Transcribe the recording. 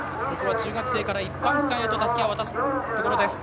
中学生から一般区間へとたすきを渡すところです。